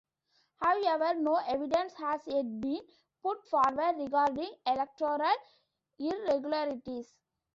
However no evidence has yet been put forward regarding electoral irregularities.